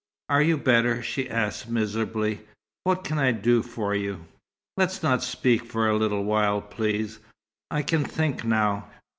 "Are you better?" she asked, miserably. "What can I do for you?" "Let's not speak for a little while, please. I can think now.